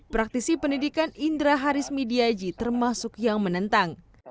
praktisi pendidikan indra harismidiaji termasuk yang menentang